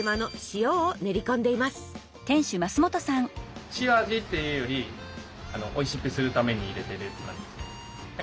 塩味っていうよりおいしくするために入れてるって感じ。